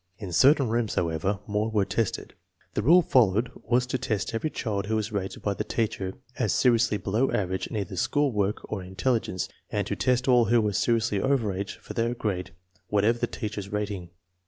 In certain rooms, however, more were tested. The rule followed was to test every child who was rated by the teacher as seri ously below average in either school work or intelli gence, and to test all who were seriously over age foi their grade, whatever the teacher's rating.